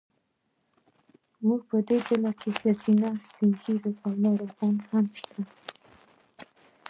زموږ په ډله کې ښځینه، سپین ږیري او ناروغان هم شته.